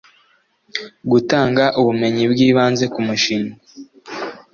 gutanga ubumenyi bw ibanze ku mishinga